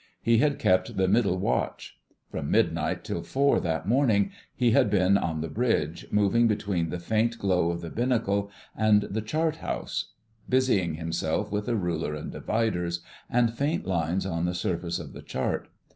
He had kept the Middle Watch. From midnight till four that morning he had been on the bridge, moving between the faint glow of the binnacle and the chart house, busying himself with a ruler and dividers, and faint lines on the surface of the chart.